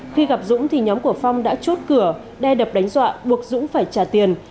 khi gặp dũng thì nhóm của phong đã chốt cửa đe đập đánh dọa buộc dũng phải trả tiền